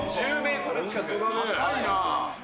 高いな。